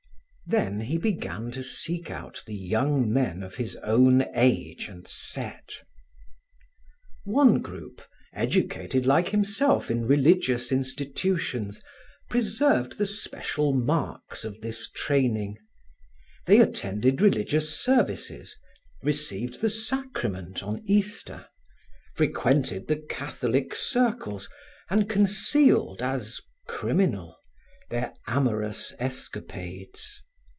Then he began to seek out the young men of his own age and set. One group, educated like himself in religious institutions, preserved the special marks of this training. They attended religious services, received the sacrament on Easter, frequented the Catholic circles and concealed as criminal their amorous escapades.